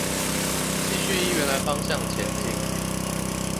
繼續依原來方向前進